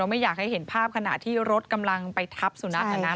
ไม่อยากให้เห็นภาพขณะที่รถกำลังไปทับสุนัขนะ